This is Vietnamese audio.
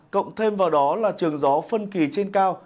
cộng thêm vào đó là trường gió phân kỳ trên cao